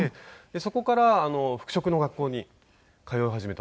そこから服飾の学校に通い始めたんですよ。